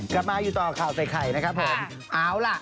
กระมากอยู่ต่อข่าวใส่ไข่นะครับ